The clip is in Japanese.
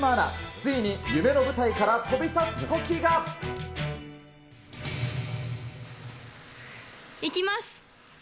ついに夢の舞台から飛び立つときいきます。